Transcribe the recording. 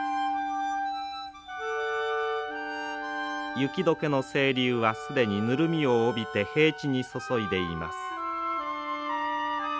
雪解けの清流は既にぬるみを帯びて平地に注いでいます。